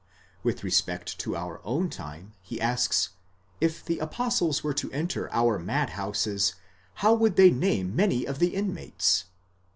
With respect to our own. time he asks, if the apostles were to enter our mad houses, how would they name many of the inmates???